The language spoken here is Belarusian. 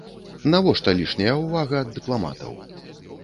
Навошта лішняя ўвага ад дыпламатаў?